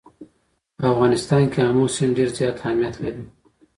په افغانستان کې آمو سیند ډېر زیات اهمیت لري.